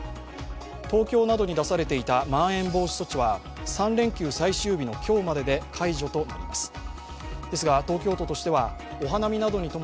東京などに出されていたまん延防止措置は最終日の今日までで解除となります。